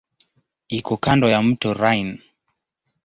Iko kando ya mto Rhine.